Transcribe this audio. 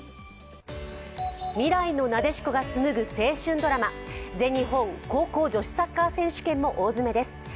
未来のなでしこがつむぐ青春ドラマ全日本高校女子サッカー選手権も大詰めです。